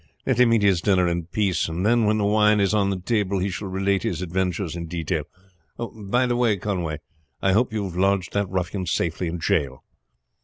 Let him eat his dinner in peace, and then when the wine is on the table he shall relate his adventures in detail. By the way, Conway, I hope you have lodged that ruffian safely in jail?"